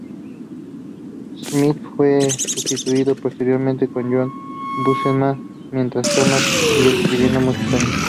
Smith fue sustituido posteriormente por John Buscema, mientras Thomas siguió escribiendo muchos años.